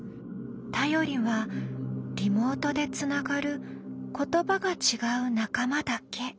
頼りはリモートでつながる言葉が違う仲間だけ。